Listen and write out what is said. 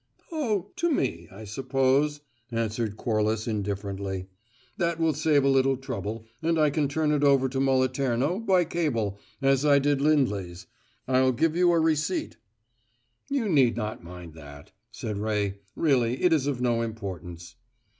"Oh, to me, I suppose," answered Corliss indifferently. "That will save a little trouble, and I can turn it over to Moliterno, by cable, as I did Lindley's. I'll give you a receipt " "You need not mind that," said Ray. "Really it is of no importance."